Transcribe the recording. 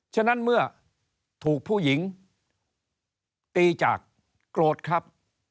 ฉะนั้นเมื่อถูกผู้หญิงตีจากโกรธครับ